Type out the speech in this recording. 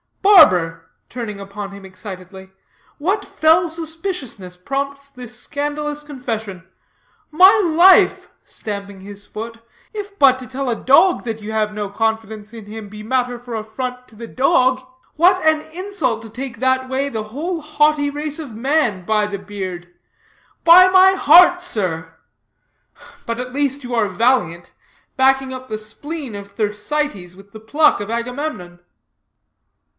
Barber," turning upon him excitedly, "what fell suspiciousness prompts this scandalous confession? My life!" stamping his foot, "if but to tell a dog that you have no confidence in him be matter for affront to the dog, what an insult to take that way the whole haughty race of man by the beard! By my heart, sir! but at least you are valiant; backing the spleen of Thersites with the pluck of Agamemnon."